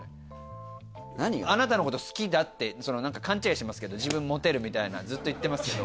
あなたのこと好きだって勘違いしてますけど自分モテるみたいなずっと言ってますけど。